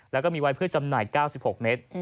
แล้วก็มีไว้เพื่อจำหน่าย๙๖เมตร